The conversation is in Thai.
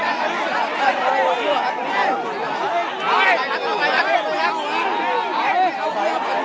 ตอนนี้หนูออกมาไม่ได้ใช่หนูโดนเหยียงเหมือนกัน